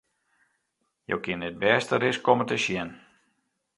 Jo kinne it bêste ris komme te sjen!